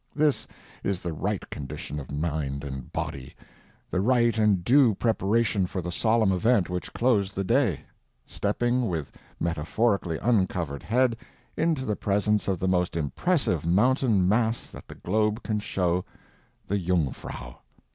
This is the right condition of mind and body, the right and due preparation for the solemn event which closed the day—stepping with metaphorically uncovered head into the presence of the most impressive mountain mass that the globe can show—the Jungfrau.